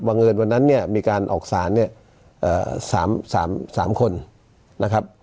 วังเงินวันนั้นเนี่ยมีการออกสาร๓คนนะครับ